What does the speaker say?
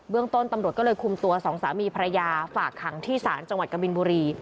ต้นตำรวจก็เลยคุมตัวสองสามีภรรยาฝากขังที่ศาลจังหวัดกบินบุรี